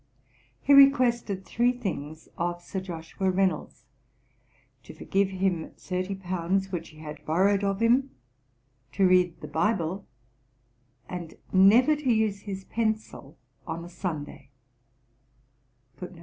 He requested three things of Sir Joshua Reynolds: To forgive him thirty pounds which he had borrowed of him; to read the Bible; and never to use his pencil on a Sunday.